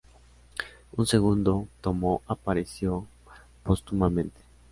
Un segundo tomo apareció póstumamente.